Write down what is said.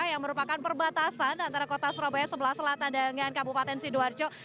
yang merupakan perbatasan antara kota surabaya sebelah selatan dengan kabupaten sidoarjo